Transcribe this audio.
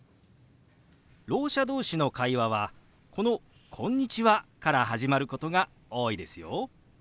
ろう者同士の会話はこの「こんにちは」から始まることが多いですよ。